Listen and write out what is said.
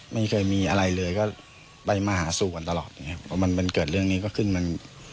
ไม่เคยมีอะไรเลยก็ไปมาหาสู่กันตลอดอย่างเงี้เพราะมันมันเกิดเรื่องนี้ก็ขึ้นมัน